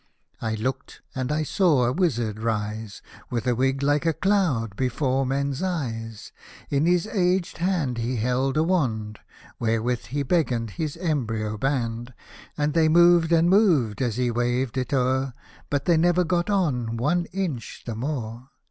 " I looked, and I saw a wizard rise. With a wig like a cloud before men's eves. Hosted by Google 2o6 SATIRICAL AND HUMOROUS POEMS In his aged hand he held a wand. Wherewith he beckoned his embryo band, And they moved and moved, as he waved it o'er, But they never got on one inch the more.